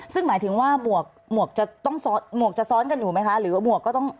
ซึ่งหมายถึงว่าหมวกจะซ้อนกันอยู่ไหมคะหรือว่าหมวกก็ต้องออก